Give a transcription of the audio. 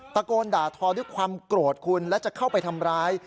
ตะโกนด่าทอด้วยความโกรธคุณและจะเข้าไปทำร้าย